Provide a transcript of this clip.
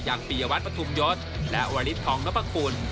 ปียวัตรปฐุมยศและวาริสทองนพคุณ